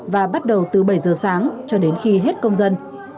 và bắt đầu từ bảy giờ sáng cho đến khi hết công dân